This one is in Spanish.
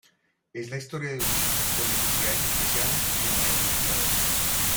Es la historia de un niño con necesidades especiales y su maestro inspirador.